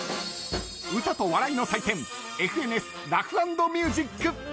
歌と笑いの祭典「ＦＮＳラフ＆ミュージック」。